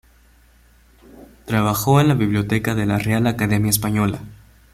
Trabajó en la biblioteca de la Real Academia Española.